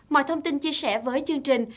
mọi thông tin chia sẻ với chương trình